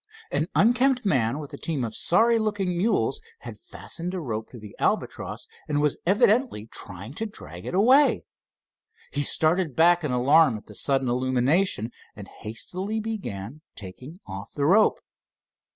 An unkempt man, with a team of sorry looking mules, had fastened a rope to the Albatross and was evidently trying to drag it away. He started back in alarm at the sudden illumination, and hastily began taking off the rope.